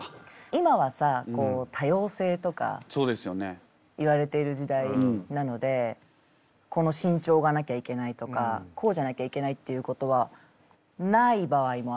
今はさ多様性とかいわれている時代なのでこの身長がなきゃいけないとかこうじゃなきゃいけないっていうことはない場合もあるんですよ。